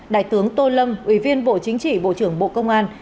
đại tướng tô lâm ủy viên bộ chính trị bộ trưởng bộ công an